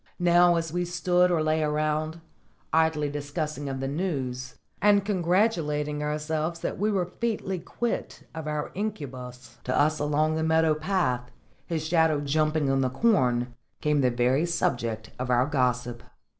Now as we stood or lay around, idly discussing of the news, and congratulating ourselves that we were featly quit of our incubus, to us along the meadow path, his shadow jumping on the corn, came the very subject of our gossip.